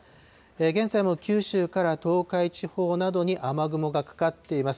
現在も九州から東海地方などに雨雲がかかっています。